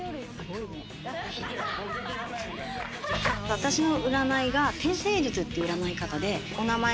私の占いが天星術っていう占い方でお名前